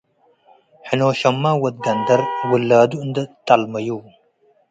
ሕኖሽምመ ወድ ገንደር - ውላዱ እንዴ ጠልመዩ